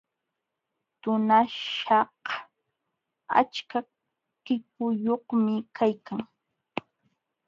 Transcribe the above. Tunaśhkaq achka qipuyuqmi kaykan.